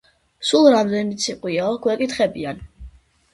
სულ რამდენი ციყვიაო — გვეკითხებიან.